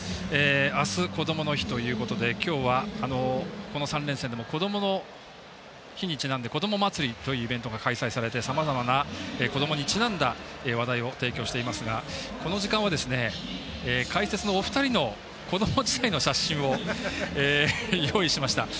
明日、こどもの日ということで今日はこの３連戦でもこどもの日にちなんでこどもまつりというイベントが開催されてさまざまなこどもにちなんだ話題を提供していますがこの時間は解説のお二人のこども時代の写真を用意しました。